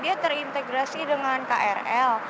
dia terintegrasi dengan krl